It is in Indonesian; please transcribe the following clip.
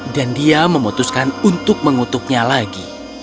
dan dia memutuskan untuk mengutuknya lagi